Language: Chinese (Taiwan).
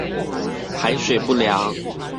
排水不良